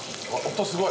音すごい。